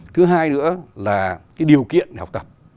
thứ hai nữa là cái điều kiện học tập